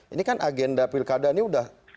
ini kan agenda pilkada ini udah